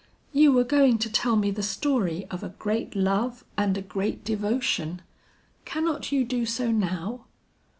"You were going to tell me the story of a great love and a great devotion. Cannot you do so now?"